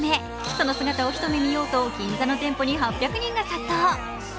その姿を一目見ようと銀座の店舗にファンが殺到。